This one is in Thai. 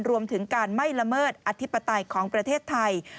รวมถึงการไม่ละเมิดอธิปไตยของประเทศไทย